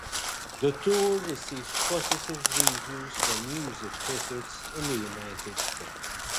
The tour received positive reviews from music critics in the United States.